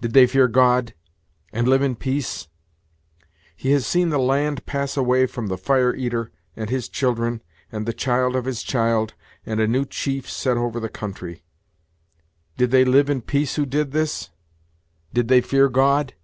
Did they fear God, and live in peace? He has seen the land pass away from the Fire eater, and his children, and the child of his child, and a new chief set over the country. Did they live in peace who did this? did they fear God?"